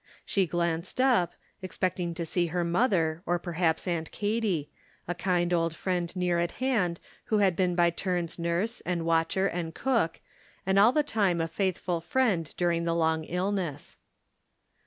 She glanced up, expecting to see her mother, or perhaps Aunt Katy — a kind old friend near at hand, who had been by turns nurse, and watcher, and cook, and all the time a faithful friend during the long Ul ness.